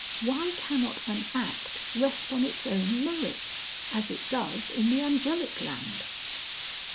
Why cannot an act rest on its own merits?... As it does in the Angelic Land."